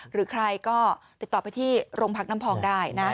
หรือใครก็ติดต่อไปที่โรงพักน้ำพองได้นะ